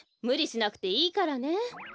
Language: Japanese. むりしなくていいからね。